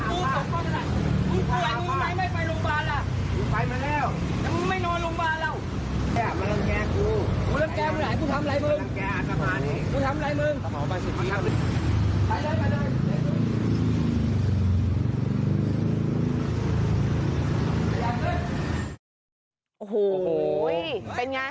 โอ้โหเป็นไง